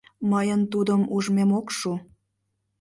— Мыйын тудым ужмем ок шу!